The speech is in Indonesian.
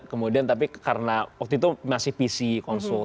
kemudian tapi karena waktu itu masih pc konsul